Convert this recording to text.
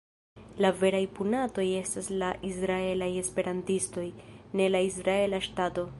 La veraj punatoj estas la israelaj esperantistoj, ne la israela ŝtato.